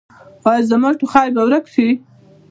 ایا زما ټوخی به ورک شي؟